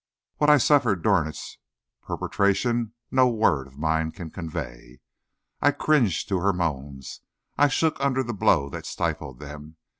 What I suffered during its perpetration no word of mine can convey. I cringed to her moans; I shook under the blow that stifled them.